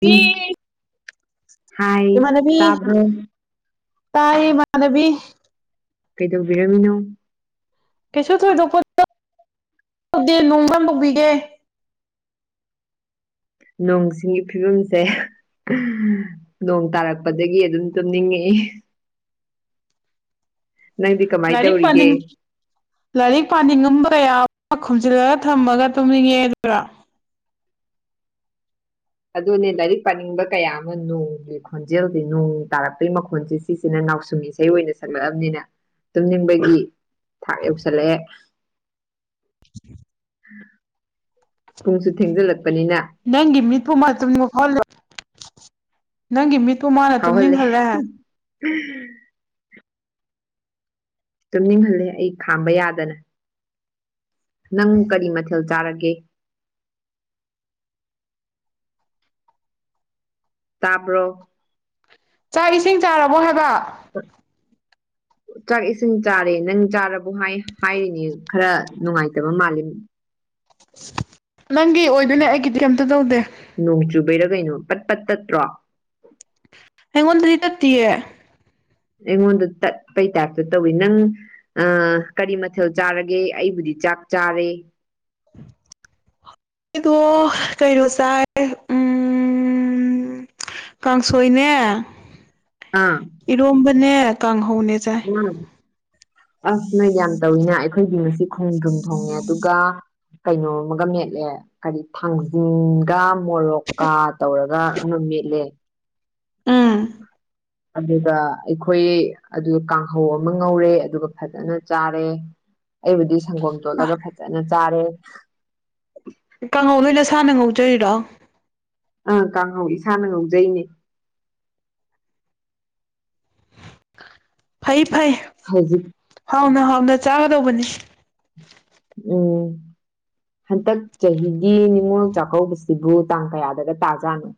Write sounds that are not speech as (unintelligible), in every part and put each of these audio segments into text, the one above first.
ꯎꯝ ꯍꯥꯏ ꯏꯃꯥꯟꯅꯕꯤ ꯇꯥꯕ꯭ꯔꯣ ꯇꯥꯏꯌꯦ ꯏꯃꯥꯟꯅꯕꯤ꯫ ꯀꯩꯗꯧꯕꯤꯔꯝꯃꯤꯅꯣ꯫ ꯀꯩꯁꯨ ꯊꯣꯏꯗꯣꯛꯄ ꯇꯧꯗꯦ (inaudible) ꯅꯣꯡ ꯁꯤꯒꯤ ꯐꯤꯕꯝꯁꯦ꯫ (unintelligible) ꯅꯣꯡ ꯇꯥꯔꯛꯄꯗꯒꯤ ꯑꯗꯨꯝ ꯇꯨꯝꯅꯤꯡꯉꯛꯏ (inaudible) ꯅꯪꯗꯤ ꯀꯃꯥꯏ ꯂꯥꯏꯔꯤꯛ ꯄꯥꯅꯤꯡ ꯇꯧꯔꯤꯒꯦ ꯂꯥꯏꯔꯤꯛ ꯄꯥꯅꯤꯡꯉꯝꯕ ꯌꯥ ꯈꯨꯝꯖꯤꯜꯂꯒ ꯊꯝꯃꯒ ꯇꯨꯝꯅꯤꯡꯉꯦꯛꯑꯦ ꯑꯗꯨꯔꫭ꯫ ꯑꯗꯨꯅꯦ ꯂꯥꯏꯔꯤꯛ ꯄꯥꯅꯤꯡꯕ ꯀꯌꯥ ꯑꯃ ꯅꯣꯡꯒꯤ ꯈꯣꯟꯖꯦꯜꯗꯤ ꯅꯣꯡ ꯇꯥꯔꯛꯄꯒꯤ ꯃꯈꯣꯟꯁꯦꯁ ꯁꯤꯁꯤꯅ ꯅꯥꯎꯁꯨꯝ ꯏꯁꯩ ꯑꯣꯏꯅ ꯁꯛꯂꯛꯑꯕꯅꯤꯅ ꯇꯨꯝꯅꯤꯡꯕꯒꯤ ꯊꯥꯛ ꯌꯧꯁꯜꯂꯛꯑꯦ꯫ ꯄꯨꯡꯁꯨ ꯊꯦꯡꯖꯤꯜꯂꯛꯄꯅꯤꯅ꯫ ꯅꯪꯒꯤ ꯃꯤꯠꯄꯨ (unintelligible) ꯅꯪꯒꯤ ꯃꯤꯠꯄꯨ ꯃꯥꯅ ꯐꯥꯎꯍꯜꯂꯦ ꯇꯨꯝꯅꯤꯡꯍꯜꯂꯦ꯫ (unintelligible) ꯇꯨꯝꯅꯤꯡꯍꯜꯂꯦ ꯑꯩ ꯈꯥꯝꯕ ꯌꯥꯗꯅ꯫ ꯅꯪ ꯀꯔꯤ ꯃꯊꯦꯜ ꯆꯥꯔꯒꯦ꯫ ꯇꯥꯕ꯭ꯔꯣ꯫ ꯆꯥꯛ ꯏꯁꯤꯡ ꯆꯥꯔꯕꯣ ꯍꯥꯏꯕ꯫ (unintelligible) ꯆꯥꯛ ꯏꯁꯤꯡ ꯆꯥꯔꯦ ꯅꯪ ꯆꯥꯕꯣ ꯍꯥꯏ ꯍꯥꯏꯅꯦ ꯈꯔ ꯅꯨꯡꯉꯥꯏꯇꯕ ꯃꯥꯜꯂꯤ꯫ ꯅꯪꯒꯤ ꯑꯣꯏꯗꯣꯏꯅꯦ ꯑꯩꯒꯤꯗꯤ ꯀꯩꯝꯇ ꯇꯧꯗꯦ꯫ ꯅꯣꯡ ꯆꯨꯕꯩꯔꯥ ꯀꯩꯅꯣ ꯄꯠ ꯄꯠ ꯇꯠꯇ꯭ꯔꯣ꯫ ꯑꯩꯉꯣꯟꯗꯗꯤ ꯇꯠꯇꯤꯌꯦ꯫ ꯑꯩꯉꯣꯟꯗ ꯇꯠꯄꯩ ꯇꯥꯏꯞꯇ ꯇꯧꯏ ꯅꯪ ꯑꯥ ꯀꯔꯤ ꯃꯊꯦꯜ ꯆꯥꯔꯒꯦ ꯑꯩꯕꯨꯗꯤ ꯆꯥꯛ ꯆꯥꯔꯦ꯫ ꯑꯩꯗꯣ ꯀꯩꯅꯣ ꯆꯥꯏ ꯎꯝ ꯎꯝ ꯀꯥꯡꯁꯣꯏꯅꯦ ꯑꯥ꯫ ꯏꯔꯣꯝꯕꯅꯦ ꯀꯥꯡꯍꯧꯅꯦ ꯆꯥꯏ ꯎꯝ ꯑꯁ ꯅꯣꯏ ꯌꯥꯝ ꯇꯧꯏꯅ ꯑꯩ ꯑꯩꯗꯤ ꯉꯁꯤ ꯈꯣꯡꯗ꯭ꯔꯨꯝ ꯊꯣꯡꯉꯦ ꯑꯗꯨꯒꯥ ꯀꯩꯅꯣꯝ ꯑꯃꯒ ꯃꯦꯠꯂꯦ ꯀꯔꯤ ꯊꯥꯡꯖꯤꯡꯒ ꯃꯣꯔꯣꯛꯀꯥ ꯇꯧꯔꯒ ꯑꯃ ꯃꯦꯠꯂꯦ꯫ ꯎꯝ꯫ ꯑꯗꯨꯗ ꯑꯩꯈꯣꯏ ꯑꯗꯨ ꯀꯥꯡꯍꯧ ꯑꯃ ꯉꯧꯔꯦ ꯑꯗꯨꯒ ꯐꯖꯅ ꯆꯥꯔꯦ꯫ ꯑꯩꯕꯨꯗꯤ ꯁꯪꯒꯣꯝ ꯇꯣꯠꯂꯒ ꯐꯖꯅ ꯆꯥꯔꯦ꯫ ꯀꯥꯡꯍꯧ ꯅꯣꯏ ꯅꯁꯥꯥꯅ ꯉꯧꯖꯔꯤꯔꯣ꯫ ꯑꯥ ꯀꯥꯡꯍꯧ ꯏꯁꯥꯅ ꯉꯧꯖꯩꯅꯦ꯫ ꯐꯩ ꯐꯩ꯫ ꯍꯧꯖꯤꯛ ꯍꯥꯎꯅ ꯍꯥꯎꯅ ꯆꯥꯒꯗꯧꯕꯅꯤ꯫ ꯎꯝ꯫ ꯍꯟꯇꯛ ꯆꯍꯤꯒꯤ ꯅꯤꯉꯣꯜ ꯆꯥꯛꯀꯧꯕꯁꯤꯕꯨ ꯇꯥꯡ ꯀꯌꯥꯗꯒ ꯇꯥꯖꯥꯠꯅꯣ꯫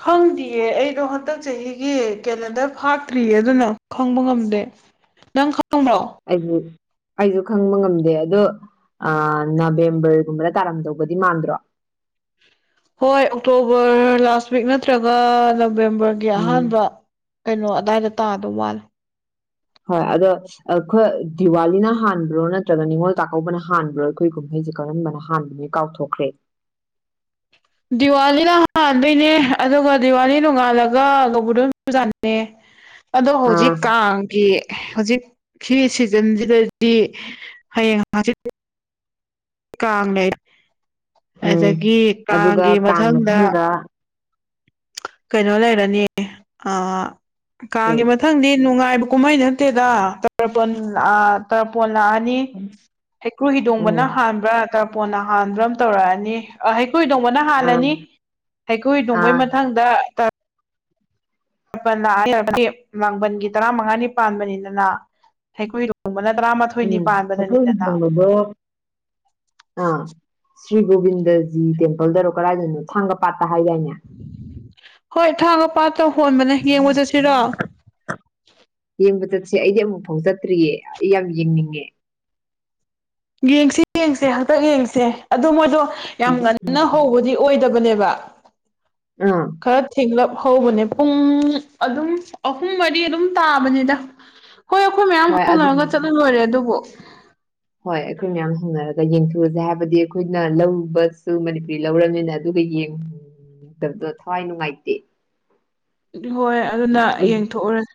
ꯈꯪꯗꯨꯌꯦ ꯑꯩꯗꯣ ꯍꯟꯗꯛ ꯆꯍꯤꯒꯤ ꯀꯦꯂꯦꯟꯗꯔ ꯐꯥꯛꯇ꯭ꯔꯤꯌꯦ ꯑꯗꯨꯅ ꯈꯪꯕ ꯉꯝꯗꯦ꯫ ꯅꯪ (inaudible) ꯑꯩꯖꯨ ꯑꯩꯖꯨ ꯈꯪꯕ ꯉꯝꯗꯦ ꯑꯗꯣ ꯑꯥ ꯅꯕꯦꯝꯕꯔꯒꯨꯝꯕꯗ ꯇꯥꯔꯝꯗꯧꯕꯗꯤ ꯃꯥꯟꯗ꯭ꯔꯣ ꯍꯣꯏ ꯑꯣꯛꯇꯣꯕꯔ ꯂꯥꯁ ꯋꯤꯛ ꯅꯠꯇ꯭ꯔꯒ ꯅꯕꯦꯝꯕꯔꯒꯤ ꯎꯝ ꯑꯍꯥꯟꯕ ꯀꯩꯅꯣ ꯑꯗꯥꯏꯗ ꯇꯥꯗꯧ ꯃꯥꯜꯂꯦ ꯍꯣꯏ ꯑꯗꯣ ꯑ ꯈꯣꯏ ꯗꯤꯋꯥꯂꯤꯅ ꯍꯥꯟꯕ꯭ꯔꯣ ꯅꯠꯇ꯭ꯔꯒ ꯅꯤꯡꯉꯣꯜ ꯆꯥꯛꯀꯧꯕꯅ ꯍꯥꯟꯕ꯭ꯔꯣ ꯑꯈꯣꯏ ꯀꯨꯝꯍꯩꯖꯦ ꯀꯔꯝꯕꯅ ꯍꯥꯟꯕꯒꯦ ꯀꯥꯎꯊꯣꯛꯈ꯭ꯔꯦ ꯗꯤꯋꯥꯂꯤꯅ ꯍꯥꯟꯗꯣꯏꯅꯦ ꯑꯗꯨꯒ ꯗꯤꯋꯥꯂꯤ ꯅꯣꯡꯉꯥꯜꯂꯒ ꯒꯧꯕꯨꯗꯣꯟ ꯄꯨꯖꯥꯅꯦ (inaudible) ꯑꯗꯣ ꯑꯥ ꯍꯧꯖꯤꯛ ꯀꯥꯡꯒꯤ ꯍꯧꯖꯤꯛ ꯁꯤ ꯁꯤꯖꯟꯖꯤꯗꯗꯤ ꯍꯌꯦꯡ ꯍꯪꯆꯤꯠ ꯀꯥꯡ ꯂꯩ ꯎꯝ ꯑꯗꯒꯤ ꯑꯗꯨꯒ ꯀꯥꯡꯒꯤ ꯀꯥꯡ ꯃꯊꯪꯗ ꯀꯩꯅꯣ ꯂꯩꯔꯅꯤ ꯑꯥ ꯀꯩ ꯀꯥꯡꯒꯤ ꯃ ꯊꯪꯗꯤ ꯅꯨꯡꯉꯥꯏꯕ ꯀꯨꯝꯃꯩ ꯅꯠꯇꯦꯗ ꯇꯔꯄꯟ ꯑꯥ ꯇꯔꯄꯣꯟ ꯂꯥꯛꯑꯅꯤ ꯍꯩꯀ꯭ꯔꯨ ꯍꯤꯗꯣꯡꯕꯅ ꯎꯝ ꯍꯥꯟ ꯕ꯭ꯔꯥ ꯇꯔꯄꯣꯟꯅ ꯍꯥꯟꯕ꯭ꯔꯥ ꯑꯃ ꯇꯧꯔꯛꯑꯅꯤ ꯑꯥ ꯍꯩꯀꯨ ꯍꯤꯗꯣꯡꯕꯅ ꯑꯥ ꯍꯥꯜꯂꯅꯤ ꯍꯩꯀꯨ ꯍꯤꯗꯣꯡꯕꯩ ꯑꯥ ꯃꯊꯪꯗ ꯇꯔ (unintelligible) ꯂꯥꯡꯕꯟꯒꯤ ꯇꯔꯥꯃꯉꯥꯅꯤ ꯄꯥꯟꯕꯅꯤꯗꯅ ꯍꯩꯀ꯭ꯔꯨ ꯍꯤꯗꯣꯡꯕꯅ ꯇꯔꯥꯃꯥꯊꯣꯏ ꯎꯝ ꯍꯩꯀ꯭ꯔꯨ ꯍꯤꯗꯣꯡꯕꯗꯣ ꯑꯥ ꯁ꯭ꯔꯤ ꯒꯣꯕꯤꯟꯗꯖꯤ ꯇꯦꯝꯄꯜꯗꯔꯣ ꯀꯔꯥꯏꯗꯅꯣ ꯊꯥꯡꯒ ꯄꯥꯠꯇ ꯍꯥꯏꯗꯥꯏꯅꯦ ꯍꯣꯏ ꯊꯥꯡꯒ ꯄꯥꯠꯇ ꯍꯣꯟꯕꯅꯦ ꯌꯦꯡꯕ ꯆꯠꯁꯤꯔꯣ ꯌꯦꯡꯕ ꯆꯠꯁꯤ ꯑꯩꯗꯤ ꯑꯃꯨꯛ ꯐꯥꯎ ꯆꯠꯇ꯭ꯔꯤꯌꯦ ꯑꯩ ꯌꯥꯝ ꯌꯦꯡꯅꯤꯡꯉꯦ ꯌꯦꯡꯁꯤ ꯌꯦꯡꯁꯦ ꯍꯟꯇꯛ ꯌꯦꯡꯁꯦ ꯑꯗꯣ ꯃꯣꯏꯗꯣ ꯌꯥꯝ ꯉꯟꯅ ꯍꯧꯕꯗꯤ ꯑꯣꯏꯗꯕꯅꯦꯕ ꯑꯥ ꯈꯔ ꯊꯦꯡꯂꯞ ꯍꯧꯕꯅꯦ ꯄꯨꯡ ꯑꯗꯨꯝ ꯑꯍꯨꯝ ꯃꯔꯤ ꯑꯗꯨꯝ ꯇꯥꯕꯅꯤꯗ (inaudible) ꯍꯣꯏ ꯑꯈꯣꯏ ꯃꯌꯥꯝ ꯍꯣꯏ ꯑꯗꯨꯝ ꯍꯧꯅꯔꯒ ꯆꯠꯂ ꯂꯣꯏꯔꯦ ꯑꯗꯨꯕꯨ ꯍꯣꯏ ꯑꯩꯈꯣꯏ ꯃꯌꯥꯝ ꯍꯧꯅꯔꯒ ꯌꯦꯡꯊꯨꯛ ꯎꯖꯦ ꯍꯥꯏꯕꯗꯤ ꯑꯈꯣꯏꯅ ꯂꯧꯕꯁꯨ ꯃꯅꯤꯄꯨꯔꯤ ꯂꯧꯔꯝꯅꯤꯅ ꯑꯗꯨꯒ ꯌꯦꯡꯗꯕꯗꯣ ꯊꯋꯥꯏ ꯅꯨꯡꯉꯥꯏꯇꯦ ꯍꯣꯏ ꯑꯗꯨꯅ ꯌꯦꯡꯊꯣꯛꯎꯔꯁꯤ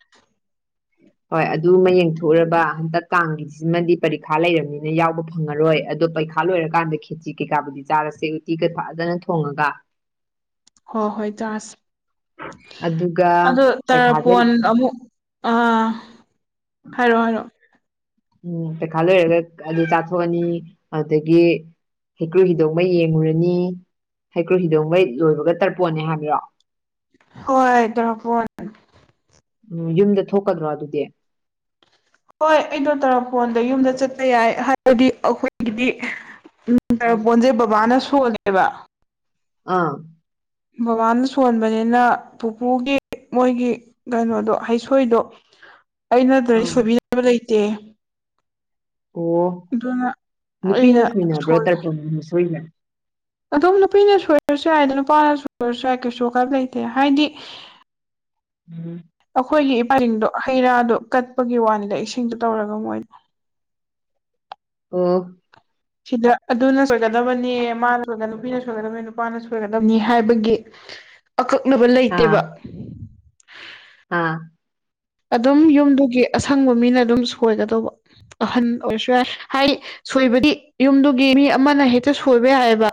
ꯍꯣꯏ ꯑꯗꯨꯃ ꯌꯦꯡꯊꯣꯛꯎꯔꯕ ꯍꯟꯗꯛ ꯀꯥꯡꯒꯤꯁꯤꯃꯗꯤ ꯄꯔꯤꯈꯥ ꯂꯩꯔꯝꯅꯤꯅ ꯌꯥꯎꯕ ꯐꯪꯉꯔꯣꯏ ꯑꯗꯣ ꯄꯩꯈꯥ ꯈꯥ ꯂꯣꯏꯔꯀꯥꯟꯗ ꯈꯦꯆꯤ ꯀꯩꯀꯥꯕꯨꯗꯤ ꯆꯥꯔꯁꯦ ꯎꯇꯤꯒ ꯐꯖꯅ ꯊꯣꯡꯉꯒ ꯍꯣ ꯍꯣꯏ ꯆꯥꯁꯤ ꯑꯗꯨꯒ ꯑꯗꯣ ꯄꯩꯈꯥꯗ ꯇꯔꯄꯣꯟ ꯑꯃꯨꯛ ꯑꯥ ꯍꯥꯏꯔꯣ ꯍꯥꯏꯔꯣ ꯎꯝ ꯄꯩꯈꯥ ꯂꯣꯏꯔꯒ ꯑꯗꯨ ꯆꯥꯊꯣꯛꯑꯅꯤ ꯑꯗꯒꯤ ꯍꯩꯀ꯭ꯔꯨ ꯍꯤꯗꯣꯡꯕ ꯌꯦꯡꯉꯨꯔꯅꯤ ꯍꯩꯀ꯭ꯔꯨ ꯍꯤꯗꯣꯡꯕ ꯍꯦꯛ ꯂꯣꯏꯕꯒ ꯇꯔꯄꯣꯟꯅꯤ ꯍꯥꯏꯕ꯭ꯔꯣ ꯍꯣꯏ ꯇꯔꯄꯣꯟ ꯎꯝ ꯌꯨꯝꯗ ꯊꯣꯛꯀꯗ꯭ꯔꯣ ꯑꯗꯨꯗꯤ ꯍꯣꯏ ꯑꯩꯗꯣ ꯇꯔꯥꯄꯣꯟꯗ ꯌꯨꯝꯗ ꯆꯠꯄ ꯌꯥꯏ ꯍꯥꯏꯕꯗꯤ ꯑꯈꯣꯏꯒꯤꯗꯤ ꯎꯝ ꯑꯥ ꯇꯔꯄꯣꯟꯖꯦ ꯕꯕꯥꯅ ꯁꯣꯜꯂꯦꯕ ꯑꯥ ꯕꯕꯥꯅ ꯁꯣꯟꯕꯅꯤꯅ ꯄꯨꯄꯨꯒꯤ ꯃꯣꯏꯒꯤ ꯀꯩꯅꯣꯗꯣ ꯍꯩꯁꯣꯏꯗꯣ ꯑꯩ ꯅꯠꯇꯗꯤ ꯑꯥ ꯁꯣꯏꯕꯤꯅꯕ ꯂꯩꯇꯦ ꯑꯣ ꯑꯗꯨꯅ ꯅꯨꯄꯤꯅ ꯑꯩꯅ ꯁꯣꯏꯕ꯭ꯔꯣ ꯁꯣꯜꯂꯦ ꯇꯔꯄꯟꯒꯤ ꯍꯩꯁꯣꯏꯁꯦ ꯑꯗꯨꯝ ꯅꯨꯄꯤꯅ ꯁꯣꯏꯔꯁꯨ ꯌꯥꯏ ꯑꯗꯣ ꯅꯨꯄꯥꯅ ꯁꯣꯏꯔꯁꯨ ꯌꯥꯏ ꯀꯩꯁꯨ ꯀꯥꯏꯞ ꯂꯩꯇꯦ ꯍꯥꯏꯗꯤ ꯎꯝ ꯑꯩꯈꯣꯏꯒꯤ ꯏꯄꯥꯟꯙꯧꯐꯁꯤꯡꯗꯣ ꯍꯩ ꯔꯥꯗꯣ ꯀꯠꯄꯒꯤ ꯋꯥꯅꯤꯗ ꯏꯁꯤꯡꯗꯣ ꯇꯧꯔꯒ ꯃꯣꯏꯗ ꯑꯣ ꯁꯤꯗ ꯑꯗꯨꯅ ꯁꯣꯏꯒꯗꯕꯅꯦ ꯃꯥꯅ ꯅꯨꯄꯤꯅ ꯁꯣꯏꯒꯗꯕꯅꯤ ꯅꯨꯄꯥꯅ ꯁꯣꯏꯒꯗꯕꯅꯤ ꯍꯥꯏꯕꯒꯤ ꯑꯀꯛꯅꯕ ꯑꯥ ꯂꯩꯇꯦꯕ ꯑꯥ ꯑꯗꯨꯝ ꯌꯨꯝꯗꯨꯒꯤ ꯑꯁꯪꯕ ꯃꯤꯅ ꯑꯗꯨꯝ ꯁꯣꯏꯒꯗꯧꯕ ꯑꯍꯟ ꯑꯣꯏꯔꯁꯨ ꯌꯥꯏ ꯍꯥꯏ ꯁꯣꯏꯕꯗꯤ ꯌꯨꯝꯗꯨꯒꯤ ꯃꯤ ꯑꯃꯅ ꯍꯦꯛꯇ ꯁꯣꯏꯕ ꯌꯥꯏꯑꯕ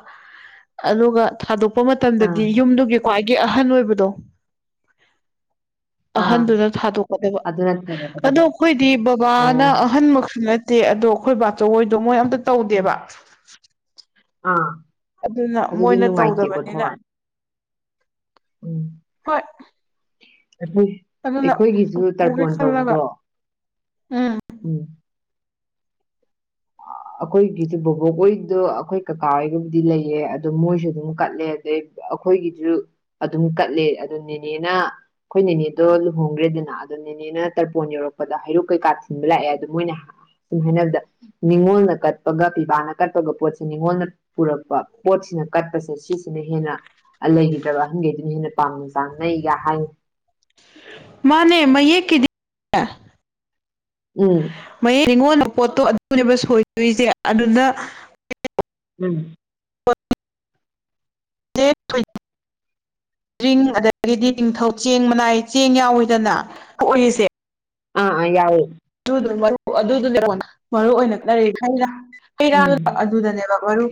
ꯑꯗꯨꯒ ꯊꯥꯗꯣꯛꯄ ꯑꯥ ꯃꯇꯝꯗꯗꯤ ꯌꯨꯝꯗꯨꯒꯤ ꯈ꯭ꯋꯥꯏꯒꯤ ꯑꯍꯟ ꯑꯣꯏꯕꯗꯣ ꯑꯥ ꯑꯍꯟꯗꯨꯅ ꯊꯥꯗꯣꯛ ꯑꯗꯨꯅ (unintelligible) ꯑꯗꯣ ꯊꯣꯡꯉꯛꯀꯗꯕ ꯑꯩꯈꯣꯏꯗꯤ ꯕꯕꯥꯅ ꯑꯣ ꯑꯍꯥꯜ ꯑꯍꯟꯃꯛꯁꯨ ꯅꯠꯇꯦ ꯑꯗꯣ ꯑꯩꯈꯣꯏ ꯕꯥꯆꯧꯍꯣꯏꯗꯣ ꯃꯣꯏ ꯑꯝꯇ ꯇꯧꯗꯦꯕ ꯑꯥ ꯑꯗꯨꯅ ꯑꯗꯨꯗꯤ ꯃꯣꯏꯅ ꯅꯨꯡꯉꯥꯏꯇꯦꯀꯣ ꯇꯧꯗꯕꯅꯤꯅ ꯊꯋꯥꯏ ꯎꯝ ꯍꯣꯏ ꯑꯗꯨꯅ ꯑꯩꯈꯣꯏꯒꯤꯁꯨ ꯄꯨꯒꯦ ꯇꯔꯄꯣꯟ ꯈꯜꯂꯒ ꯇꯧꯕꯗꯣ ꯎꯝ ꯎꯝ ꯑꯩꯈꯣꯏꯒꯤꯁꯨ ꯕꯣꯕꯣꯛꯈꯣꯏꯗꯣ ꯑꯩꯈꯣꯏ ꯀꯥꯀꯥ ꯍꯣꯏꯒꯕꯨꯗꯤ ꯂꯩꯌꯦ ꯑꯗꯣ ꯃꯣꯏꯁꯨ ꯑꯗꯨꯝ ꯀꯠꯂꯦ ꯑꯗꯩ ꯑꯩꯈꯣꯏꯒꯤꯁꯨ ꯑꯗꯨꯝ ꯀꯠꯂꯦ ꯑꯗꯨ ꯅꯦꯅꯦꯅ ꯑꯩꯈꯣꯏ ꯅꯦꯅꯦꯗꯣ ꯂꯨꯍꯣꯡꯈ꯭ꯔꯦꯗꯅ ꯑꯗꯣ ꯅꯦꯅꯦꯅ ꯇꯔꯄꯣꯟ ꯌꯧꯔꯛꯄꯗ ꯍꯩꯔꯨꯛꯛ ꯀꯩꯀꯥ ꯊꯤꯟꯕ ꯂꯥꯛꯑꯦ ꯑꯗꯣ ꯃꯣꯏꯅ ꯁꯨꯝ ꯍꯥꯏꯅꯕꯗ ꯅꯤꯉꯣꯜꯅ ꯀꯠꯄꯒ ꯄꯤꯕꯥꯅ ꯀꯠꯄꯒ ꯄꯣꯠꯁꯦ ꯅꯤꯉꯣꯜꯅ ꯄꯨꯔꯛꯄ ꯄꯣꯠꯁꯤꯅ ꯀꯠꯄꯁꯦ ꯁꯤꯁꯤꯅ ꯍꯦꯟꯅ ꯂꯩꯈꯤꯗ꯭ꯔꯕ ꯑꯍꯟꯈꯩꯗꯨꯅ ꯍꯦꯟꯅ ꯄꯥꯝꯅꯩ ꯇꯟꯅꯩ ꯀꯥꯏ ꯍꯥꯏ ꯃꯥꯟꯅꯦ ꯃꯩꯌꯦꯛ ꯀꯤꯗꯤ ꯎꯝ ꯃꯌꯦꯛ ꯅꯤꯉꯣꯟꯗꯜꯅ ꯄꯣꯠꯇꯣ ꯑꯗꯨꯅꯦꯕ ꯁꯣꯏꯗꯣꯏꯁꯦ ꯑꯗꯨꯗ ꯎꯝ (inaudible) ꯗ꯭ꯔꯤꯡ ꯑꯗꯒꯤꯗꯤ ꯅꯤꯡꯊꯧ ꯆꯦꯡ ꯃꯅꯥꯏ ꯆꯦꯡ ꯌꯥꯎꯏꯗꯅ ꯊꯣꯛ ꯏꯁꯦ ꯑ ꯥ ꯑꯥ ꯌꯥꯎꯏ ꯑꯗꯨ ꯑꯗꯨꯗꯨꯅꯦ ꯃꯔꯨ ꯑꯣꯏꯅꯔꯤ (unintelligible) ꯍꯩꯔꯥꯡ ꯎꯝ ꯑꯗꯨꯗꯅꯦꯕ ꯃꯔꯨ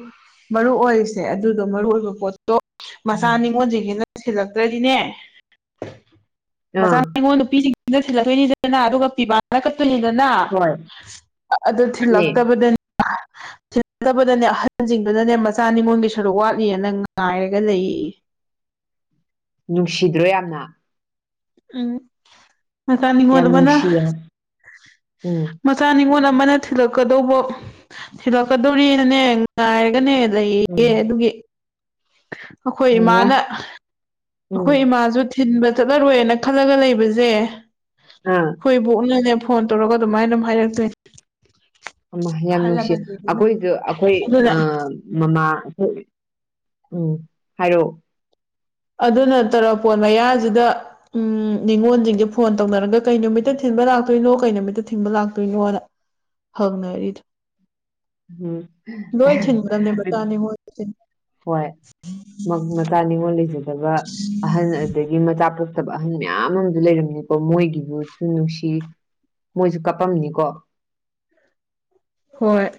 ꯃꯔꯨ ꯑꯣꯏꯔꯤꯁꯦ ꯑꯗꯨꯗꯣ ꯃꯔꯨ ꯑꯣꯏꯕ ꯄꯣꯠ ꯑꯗꯣ ꯃꯆꯥ ꯎꯝ ꯅꯤꯉꯣꯟꯁꯤꯡꯁꯤꯅ ꯊꯤꯜꯂꯛꯇ꯭ꯔꯗꯤꯅꯦ ꯃꯆꯥ ꯑꯥ ꯅꯤꯉꯣꯟ ꯅꯨꯄꯤꯁꯤꯡꯁꯤꯅ ꯊꯤꯜꯂꯛꯇꯣꯏꯅꯤꯗꯅ ꯑꯗꯨꯒ ꯄꯤꯕꯥꯅ ꯀꯠ ꯀꯠꯇꯣꯏꯅꯤꯗꯅ ꯍꯣꯏ ꯑꯗꯨ ꯅꯦ ꯊꯤꯜꯂꯛꯇꯕꯗ ꯊꯤꯜꯂꯛꯇꯕꯗꯅꯦ ꯑꯍꯟꯁꯤꯡꯗꯨꯅꯅꯦ ꯃꯆꯥ ꯅꯤꯉꯣꯟꯒꯤ ꯁꯔꯨꯛ ꯋꯥꯠꯂꯤꯌꯦꯅ ꯉꯥꯏꯔꯒ ꯂꯩꯌꯦꯌꯦ ꯅꯨꯡꯁꯤꯗ꯭ꯔꯣ ꯌꯥꯝꯅ ꯎꯝ ꯃꯆꯥ ꯅꯤꯡꯉꯣꯟ ꯌꯥꯝ ꯑꯃꯅ ꯃ ꯅꯨꯡꯁꯤꯌꯦ ꯎꯝ ꯃꯆꯥ ꯅꯤꯉꯣꯜ ꯑꯃꯅ ꯊꯤꯜꯂꯛꯀꯗꯧꯕ ꯊꯤꯜꯂꯛꯀꯗꯧꯔꯤꯅꯅꯦ ꯉꯥꯏꯔꯒꯅꯦ ꯎꯝ ꯂꯩꯌꯦꯌꯦ ꯑꯗꯨꯒꯤ ꯑꯩꯈꯣꯏ ꯍꯩꯔꯥ ꯏꯃꯥꯅ ꯑꯩꯈꯣꯏ ꯎꯝ ꯏꯃꯥꯁꯨ ꯊꯤꯟꯕ ꯆꯠꯂꯔꯣꯏꯅ ꯈꯜꯂꯒ ꯂꯩꯕꯁꯦ ꯑꯥ ꯑꯩꯈꯣꯏ ꯕꯣꯛꯅꯅꯦ ꯐꯣꯟ ꯇꯧꯔꯒ ꯑꯗꯨꯃꯥꯏꯅ ꯑꯗꯨꯝ ꯍꯥꯏꯔꯛꯇꯣꯏꯅꯦ ꯌꯥꯝ ꯑꯍꯜ ꯅꯨꯡꯁꯤ ꯂꯃꯟꯁꯤꯡꯗꯨꯅ ꯑꯩꯈꯣꯏꯁꯨ ꯑꯩꯈꯣꯏ ꯑꯗꯨꯅ ꯑ ꯃꯃꯥ ꯑꯩꯈꯣꯏ ꯎꯝ ꯍꯥꯏꯔꯛꯑꯣ ꯑꯗꯨꯅ ꯇ꯭ꯔꯄꯣꯟ ꯃꯌꯥꯖꯤꯗ ꯎꯝ ꯅꯤꯉꯣꯜꯁꯤꯡꯁꯦ ꯐꯣꯟ ꯇꯧꯅꯔꯒ ꯀꯩ ꯅꯨꯃꯤꯠꯇ ꯊꯤꯟꯕ ꯂꯥꯛꯇꯣꯏꯅꯣ ꯀꯩ ꯅꯨꯃꯤꯠꯇ ꯊꯤꯟꯕ ꯂꯥꯛꯇꯣꯏꯅꯣꯅ ꯍꯪꯅꯔꯤꯗ ꯎꯝ ꯂꯣꯏ ꯊꯤꯟꯒꯗꯝꯅꯦ ꯃꯆꯥ ꯅꯤꯉꯣꯜ ꯊꯤꯟ ꯍꯣꯏ ꯃꯆꯥ ꯅꯤꯉꯣꯜ ꯂꯩꯖꯗꯕ ꯑꯍꯟ ꯑꯗꯒꯤ ꯃꯆꯥ ꯄꯣꯛ ꯇꯕ ꯑꯍꯟ ꯃꯌꯥꯝ ꯑꯃꯁꯨ ꯂꯩꯔꯝꯅꯤꯀꯣ ꯃꯣꯏꯒꯤ ꯚꯨꯠꯁꯨ ꯅꯨꯡꯁꯤ ꯃꯣꯏꯁꯨ ꯀꯞꯄꯝꯅꯤꯀꯣ ꯍꯣꯏ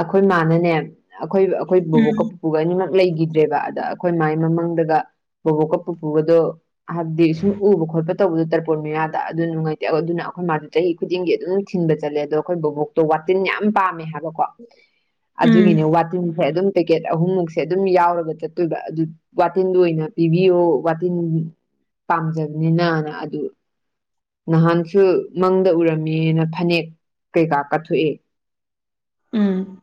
ꯑꯩꯈꯣꯏ ꯃꯥꯅꯅꯦ ꯑꯩꯈꯣꯏ-ꯑꯩꯈꯣꯏ ꯕꯣꯕꯣꯛꯀ ꯎꯝ ꯄꯨꯄꯨꯨꯒ ꯑꯅꯤꯃꯛ ꯂꯩꯈꯤꯗ꯭ꯔꯦꯕ ꯑꯗ ꯑꯩꯈꯣꯏ ꯃꯥꯏ ꯃꯃꯪꯗꯒ ꯕꯣꯕꯣꯛꯀ ꯄꯨꯄꯨꯒꯗꯣ ꯍꯥꯏꯕꯗꯤ ꯁꯨꯝ ꯎꯕ ꯈꯣꯠꯄ ꯇꯧꯕꯗꯣ ꯇꯔꯄꯣꯟ ꯃꯌꯥꯗ ꯑꯗꯨ ꯅꯨꯡꯉꯥꯏꯇꯦ ꯑꯗꯨꯅ ꯑꯩꯈꯣꯏ ꯃꯥꯗꯤ ꯆꯍꯤ ꯈꯨꯗꯤꯡꯒꯤ ꯑꯗꯨꯝ ꯊꯤꯟꯕ ꯆꯠꯂꯦ ꯑꯗꯣ ꯑꯩꯈꯣꯏ ꯕꯣꯕꯣꯛ ꯇꯣ ꯋꯥꯇꯤꯟ ꯌꯥꯝ ꯄꯥꯝꯃꯦ ꯍꯥꯏꯕꯀꯣ (unintelligible) ꯑꯗꯨꯒꯤꯅꯦ ꯋꯥꯇꯤꯟꯁꯦ ꯑꯗꯨꯝ ꯄꯦꯀꯦꯠ ꯑꯍꯨꯝꯃꯨꯛꯁꯦ ꯑꯗꯨꯝ ꯌꯥꯎꯔꯒ ꯆꯠꯇꯣꯏꯕ ꯑꯗꯨ ꯋꯥꯇꯤꯟꯗꯣ ꯑꯣꯏꯅ ꯄꯤꯕꯤꯌꯣ ꯋꯥꯇꯤꯟ ꯄꯥꯝꯖꯕꯅꯤꯅꯅ ꯑꯗꯨ ꯅꯍꯥꯟꯁꯨ ꯃꯪꯗ ꯎꯔꯝꯃꯦꯅ ꯐꯅꯦꯛ ꯀꯩꯀꯥ ꯀꯠꯊꯣꯛꯑꯦ ꯎꯝ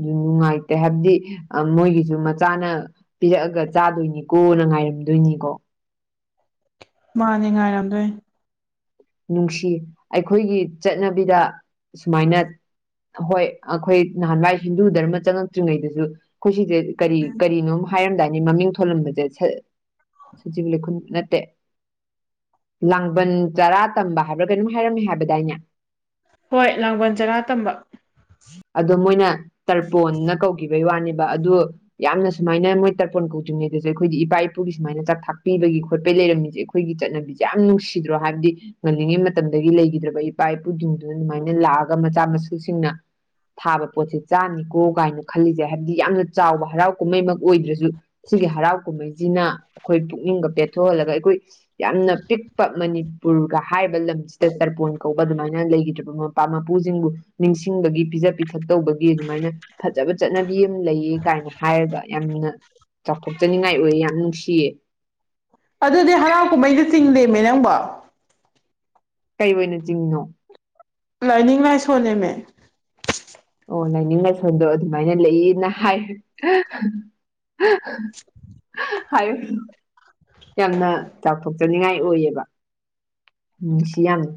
ꯅꯨꯡꯉꯥꯏꯇꯦ ꯍꯥꯏꯕꯗꯤ ꯑꯥ ꯃꯣꯏꯒꯤꯁꯨ ꯃꯆꯥꯅ ꯄꯤꯔꯛꯑꯒ ꯆꯥꯗꯣꯏꯅꯤꯀꯣ ꯅ ꯉꯥꯏꯔꯝꯗꯣꯏꯅꯤꯀꯣ ꯃꯥꯅꯦ ꯉꯥꯏꯔꯝꯗꯣꯏꯅꯦ ꯅꯨꯡꯁꯤ ꯑꯩꯈꯣꯏꯒꯤ ꯆꯠꯅꯕꯤꯗ ꯁꯨꯃꯥꯏꯅ ꯍꯣꯏ ꯑꯩꯈꯣꯏ ꯅꯍꯥꯟꯋꯥꯏ ꯍꯤꯟꯗꯨ ꯙꯔꯃ ꯆꯪꯉꯛꯇ꯭ꯔꯤꯉꯩꯗꯁꯨ ꯑꯩꯈꯣꯏ ꯁꯤꯡꯁꯦ ꯀꯔꯤ ꯀꯔꯤꯅꯣꯝ ꯍꯥꯏꯔꯝꯗꯥꯏꯅꯦ ꯃꯃꯤꯡ ꯊꯣꯜꯂꯝꯕꯁꯦ ꯁ ꯁꯖꯤꯕꯨ ꯂꯩꯈꯨꯟ ꯅꯠꯇꯦ ꯂꯥꯡꯕꯟ ꯆꯔꯥ ꯇꯝꯕ ꯍꯥꯏꯕ꯭ꯔꯥ ꯀꯩꯅꯣꯝ ꯍꯥꯏꯔꯝꯃꯦ ꯍꯥꯏꯕꯗꯥꯏꯅꯦ ꯍꯣꯏ ꯂꯥꯡꯕꯟ ꯆꯔꯥ ꯇꯝꯕ ꯑꯗꯣ ꯃꯣꯏꯅ ꯇꯔꯄꯣꯟꯅ ꯀꯧꯈꯤꯕꯩ ꯋꯥꯅꯦꯕ ꯑꯗꯨ ꯌꯥꯝꯅ ꯁꯨꯃꯥꯏꯅ ꯃꯣꯏ ꯇꯔꯄꯣꯟ ꯀꯧꯗ꯭ꯔꯤꯉꯩꯗꯁꯨ ꯑꯩꯈꯣꯏꯗꯤ ꯏꯄꯥ ꯏꯄꯨꯒꯤ ꯁꯨꯃꯥꯏꯅ ꯆꯥꯛꯊꯥꯛ ꯄꯤꯕꯒꯤ ꯈꯣꯠꯄꯒꯤ ꯂꯩꯔꯝꯃꯤꯁꯦ ꯑꯩꯈꯣꯏꯒꯤ ꯆꯠꯅꯕꯤꯁꯦ ꯌꯥꯝ ꯅꯨꯡꯁꯤꯗ꯭ꯔꯣ ꯍꯥꯏꯕꯗꯤ ꯉꯜꯂꯤꯉꯩ ꯃꯇꯝꯗꯒꯤ ꯂꯩꯈꯤꯗ꯭ꯔꯕ ꯏꯄꯥ ꯏꯄꯨꯁꯤꯡꯗꯨꯅ ꯑꯗꯨꯃꯥꯏꯅ ꯂꯥꯛꯑꯒ ꯃꯆꯥ ꯃꯁꯨꯁꯤꯡꯅ ꯊꯥꯕ ꯄꯣꯠꯁꯦ ꯆꯥꯅꯤꯀꯣ ꯀꯥꯏꯅ ꯈꯜꯂꯤꯁꯦ ꯍꯥꯏꯕꯗꯤ ꯌꯥꯝꯅ ꯆꯥꯎꯕ ꯍꯔꯥꯎ ꯀꯨꯝꯍꯩꯃꯛ ꯑꯣꯏꯗ꯭ꯔꯁꯨ ꯁꯤꯒꯤ ꯍꯔꯥꯎ ꯀꯨꯝꯃꯩꯁꯤꯅ ꯑꯩꯈꯣꯏ ꯄꯨꯛꯅꯤꯡꯒ ꯄꯦꯠꯊꯣꯛꯍꯜꯂꯒ ꯑꯩꯈꯣꯏ ꯌꯥꯝꯅ ꯄꯤꯛꯄ ꯃꯅꯤꯄꯨꯔꯒ ꯍꯥꯏꯔꯤꯕ ꯂꯝꯁꯤꯗ ꯇꯔꯄꯣꯟ ꯀꯧꯕ ꯑꯗꯨꯃꯥꯏꯅ ꯂꯩꯈꯤꯗ꯭ꯔꯕ ꯃꯄꯥ ꯃꯄꯨꯁꯤꯡꯕꯨ ꯅꯤꯡꯁꯤꯡꯕꯒꯤ ꯄꯤꯖ ꯄꯤꯊꯛ ꯇꯧꯕꯒꯤ ꯑꯗꯨꯃꯥꯏꯅ ꯐꯖꯕ ꯆꯠꯅꯕꯤ ꯑꯃ ꯂꯩ ꯀꯥꯏꯅ ꯍꯥꯏꯔꯒ ꯌꯥꯝꯅ ꯆꯥꯎꯊꯣꯛꯆꯅꯤꯡꯉꯥꯏ ꯑꯣꯏꯑꯦ ꯌꯥꯝ ꯅꯨꯡꯁꯤꯌꯦ ꯑꯗꯨꯗꯤ ꯍꯔꯥꯎ ꯀꯨꯝꯃꯩꯗ ꯆꯤꯡꯗꯦꯃꯦ ꯅꯪꯕꯣ ꯀꯩ ꯑꯣꯏꯅ ꯆꯤꯡꯉꯤꯅꯣ ꯂꯥꯏꯅꯤꯡ ꯂꯥꯏꯁꯣꯟꯅꯦꯃꯦ ꯑꯣ ꯂꯥꯏꯅꯤꯡ ꯂꯥꯏꯁꯣꯟꯗꯣ ꯑꯗꯨꯃꯥꯏꯅ ꯂꯩꯌꯦꯅ ꯍꯥꯏ ꯍꯥꯏꯌꯨꯔꯣ ꯌꯥꯝꯅ ꯆꯥꯎꯊꯣꯛꯆꯅꯤꯡꯉꯥꯏ ꯑꯣꯏꯌꯦꯕ ꯅꯨꯡꯁꯤ ꯌꯥꯝꯅ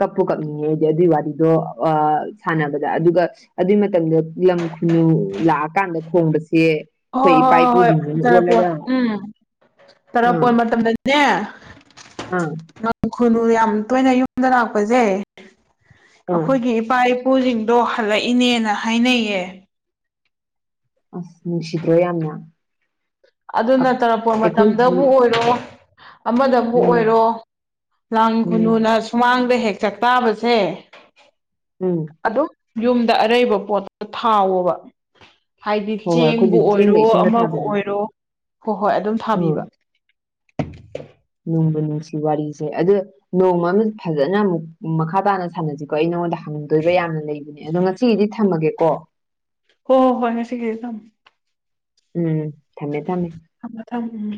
ꯀꯞꯄꯨ ꯀꯞꯅꯤꯡꯉꯦ ꯑꯩꯗꯤ ꯑꯗꯨꯏ ꯋꯥꯔꯤꯗꯣ ꯑꯥ ꯁꯥꯟꯅꯕꯗ ꯑꯗꯨꯒ ꯑꯗꯨꯏ ꯃꯇꯝꯗ ꯂꯝ ꯈꯨꯅꯨ ꯂꯥꯛꯑꯀꯥꯟꯗ ꯈꯣꯡꯕꯁꯦ ꯍꯣꯏ ꯏꯄꯥ ꯍꯣꯏ ꯍꯣꯏ ꯍꯣꯏ ꯏꯄꯨꯁꯤꯡꯗꯨꯅ ꯇꯔꯄꯣꯟ ꯑꯣꯜꯂꯒ ꯎꯝ ꯑꯥ ꯇꯔꯄꯣꯟ ꯃꯇꯝꯗꯗꯤ ꯅꯦ ꯑꯥ ꯂꯝ ꯈꯨꯅꯨ ꯌꯥꯝ ꯇꯣꯏꯅ ꯌꯨꯝꯗ ꯂꯥꯛꯄꯁꯦ ꯑꯥ ꯑꯩꯈꯣꯏꯒꯤ ꯏ ꯏꯄꯥ ꯏꯄꯨꯁꯤꯡꯗꯣ ꯍꯜꯂꯛꯏꯅꯦꯅ ꯍꯥꯏꯅꯩꯌꯦ ꯑꯁ ꯅꯨꯡꯁꯤꯗ꯭ꯔꯣ ꯌꯥꯝꯅ ꯑꯗꯨꯅ ꯇꯔꯄꯣꯟ ꯃꯇꯝꯗꯕꯨ ꯑꯩꯈꯣꯏꯒꯤ ꯑꯣꯏꯔꯣ ꯑꯃꯗꯕꯨ ꯎꯝ ꯑꯣꯏꯔꯣ ꯂꯥꯡ ꯎꯝ ꯈꯨꯨꯅꯨꯅ ꯁꯨꯃꯥꯡꯗ ꯍꯦꯛ ꯆꯥꯛꯇꯥꯥꯕꯁꯦ ꯎꯝ ꯑꯗꯨꯝ ꯌꯨꯝꯗ ꯑꯔꯩꯕ ꯄꯣꯠ ꯊꯥꯎꯋꯣꯕ ꯍꯥꯏꯗꯤ ꯍꯣꯏ ꯍꯣꯏ ꯆꯦꯡꯕꯨ ꯑꯩꯈꯣꯏꯗꯤ ꯑꯣꯏꯔꯣ ꯆꯦꯡꯒ ꯏꯁꯤꯡꯒ ꯑꯃꯕꯨ ꯊꯥꯕꯤꯗꯣ ꯑꯣꯏꯔꯣ ꯍꯣꯏ ꯍꯣꯏ ꯑꯗꯨꯝ ꯎꯝ ꯊꯥꯕꯤꯕ ꯅꯨꯡꯕꯨ ꯅꯨꯡꯁꯤ ꯋꯥꯔꯤꯁꯦ ꯑꯗꯨ ꯅꯣꯡꯃ ꯑꯃ ꯐꯖꯅ ꯑꯃꯨꯛ ꯃꯈꯥ ꯇꯥꯅ ꯁꯥꯟꯅꯁꯤꯀꯣ ꯑꯩ ꯅꯪꯉꯣꯟꯗ ꯍꯪꯅꯤꯡ ꯗꯣꯏꯕ ꯌꯥꯝꯅ ꯂꯩꯕꯅꯦ ꯑꯗꯣ ꯉꯁꯤꯒꯤꯗꯤ ꯊꯝꯃꯒꯦꯀꯣ ꯍꯣꯏ ꯍꯣꯏ ꯍꯣꯏ ꯉꯁꯤꯒꯤꯗꯤ ꯊꯝꯃꯣ ꯎꯝ ꯊꯝꯃꯦ ꯊꯝꯃꯦ ꯊꯝꯃꯣ ꯊꯝꯃꯣ ꯎꯝ